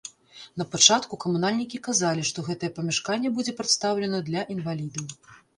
На пачатку камунальнікі казалі, што гэтае памяшканне будзе прадстаўлена для інвалідаў.